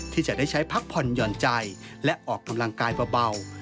ที่จะได้ใช้พักผ่อนหย่อนใจและออกกำลังกายเบา